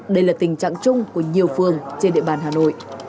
đây là tình trạng chung của nhiều phường trên địa bàn hà nội